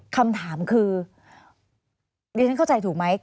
คำถามคือดิฉันเข้าใจถูกไหม